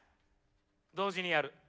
同時にやる。